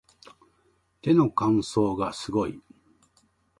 手の乾燥がすごい